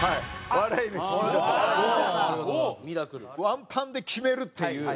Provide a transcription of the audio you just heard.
ワンパンで決めるっていう。